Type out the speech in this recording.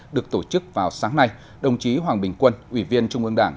được tổ chức vào sáng nay đồng chí hoàng bình quân ủy viên trung ương đảng